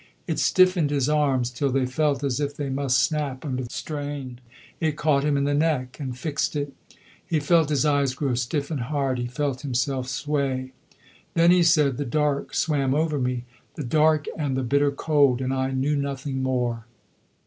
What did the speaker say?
It stiffened his arms till they felt as if they must snap under the strain; it caught him in the neck and fixed it. He felt his eyes grow stiff and hard; he felt himself sway. "Then," he said, "the dark swam over me, the dark and the bitter cold, and I knew nothing more."